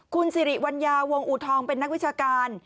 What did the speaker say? คุณสิริวัญญาวงอูทองเป็นนักวิชาการ